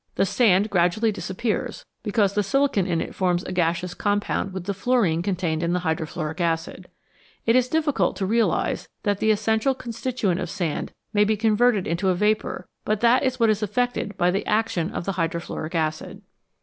The sand gradually disappears, because the silicon in it forms a gaseous compound with the fluorine con tained in the hydrofluoric acid. It is difficult to realise that the essential constituent of sand may be converted into a vapour, but that is what is effected by the action of the hydrofluoric acid.